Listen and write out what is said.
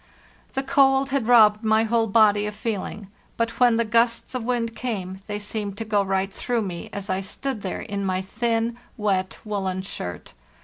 The cold had robbed my whole body of feeling, but when the gusts of wind came they seemed to go right through me as I stood there in my thin, wet woollen shirt.